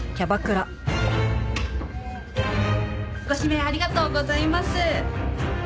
ご指名ありがとうございます。